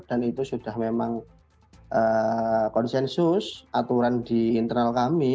dan itu sudah memang konsensus aturan di internal kami